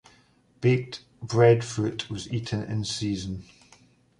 Baked breadfruit was eaten in season.